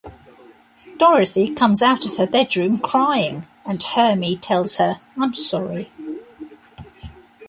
Dorothy comes out of her bedroom, crying, and Hermie tells her I'm sorry.